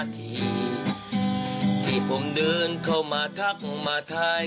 ที่ผมเดินเข้ามาทักมาทาย